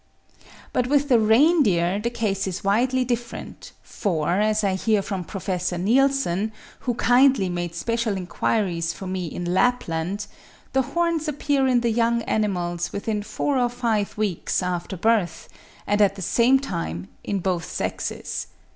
But with the reindeer the case is widely different; for, as I hear from Prof. Nilsson, who kindly made special enquiries for me in Lapland, the horns appear in the young animals within four or five weeks after birth, and at the same time in both sexes.